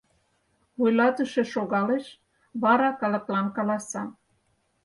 Вуйлатыше шогалеш, вара калыклан каласа: